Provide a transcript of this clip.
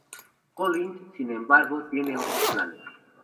Collins, sin embargo, tiene otros planes.